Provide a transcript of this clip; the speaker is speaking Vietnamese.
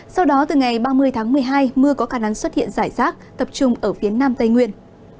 sau đó từ ngày ba mươi tháng một mươi hai mưa có khả năng xuất hiện rải rác tập trung ở phía nam tây nguyên